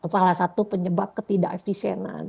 salah satu penyebab ketidak efisienan